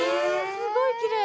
すごいきれい。